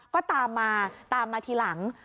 ก็ตามมาตามมาทีหลัง